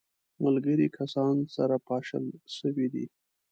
ملګري کسان سره پاشل سوي دي.